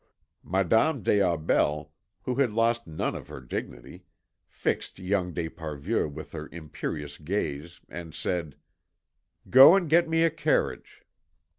Madame des Aubels, who had lost none of her dignity, fixed young d'Esparvieu with her imperious gaze, and said: "Go and get me a carriage."